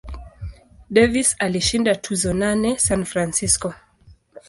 Davis alishinda tuzo nane San Francisco.